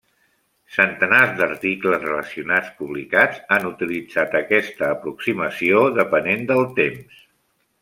Centenars d'articles relacionats publicats han utilitzat aquesta aproximació depenent del temps.